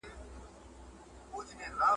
چي را ورسېدی نیسو یې موږ دواړه !.